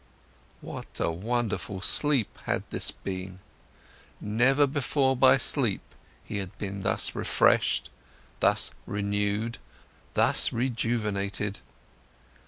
What a wonderful sleep had this been! Never before by sleep, he had been thus refreshed, thus renewed, thus rejuvenated!